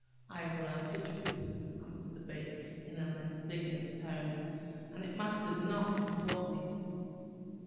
"I have learnt a truth," answered the Bee, in an indignant tone, "and it matters not who taught it me."